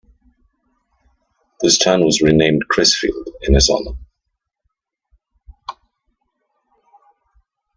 This town was renamed Crisfield in his honor.